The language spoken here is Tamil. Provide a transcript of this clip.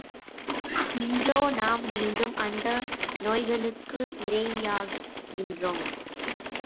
இன்றோ நாம், மீண்டும் அந்த நோய்களுக்கு இறையாகின்றோம்!